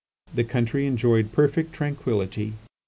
The country enjoyed perfect tranquillity.